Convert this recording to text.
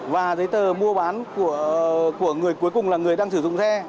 và giấy tờ mua bán của người cuối cùng là người đang sử dụng xe